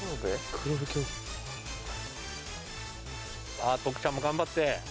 さあ徳ちゃんも頑張って。